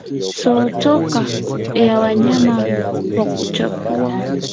Sotoka ya wanyama wa kucheua